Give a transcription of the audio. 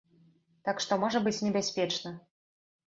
Так што можа быць небяспечна.